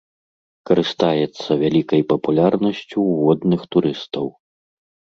Карыстаецца вялікай папулярнасцю ў водных турыстаў.